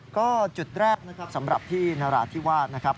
ก็จุดแรกนะครับสำหรับที่นราธิวาสนะครับ